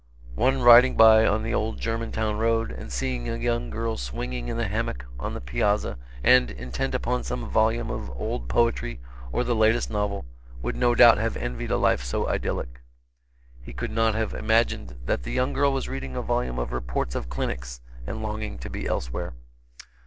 One riding by on the Old Germantown road, and seeing a young girl swinging in the hammock on the piazza and, intent upon some volume of old poetry or the latest novel, would no doubt have envied a life so idyllic. He could not have imagined that the young girl was reading a volume of reports of clinics and longing to be elsewhere.